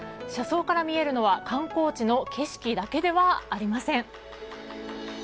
車窓から見えるのは観光地の景色だけではありません。